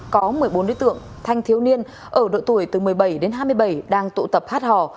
có một mươi bốn đối tượng thanh thiếu niên ở độ tuổi từ một mươi bảy đến hai mươi bảy đang tụ tập hát hò